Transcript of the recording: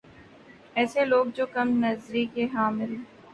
ایسے لوگ جو کم نظری کے حامل